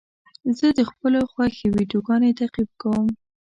زه د خپلو خوښې ویډیوګانو تعقیب کوم.